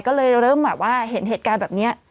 ก็เลยเริ่มแบบว่าเห็นเหตุการณ์แบบนี้